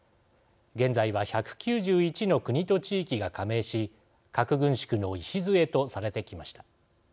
現在は１９１の国と地域が加盟し核軍縮の礎とされてきました。